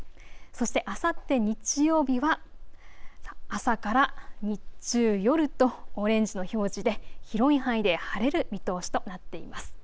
そしてあさって日曜日は朝から日中、夜とオレンジの表示で広い範囲で晴れる見通しとなっています。